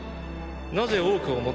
なぜ多くを持ってる？